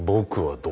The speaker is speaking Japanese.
どう？